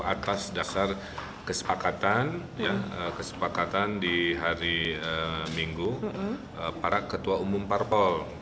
atas dasar kesepakatan kesepakatan di hari minggu para ketua umum parpol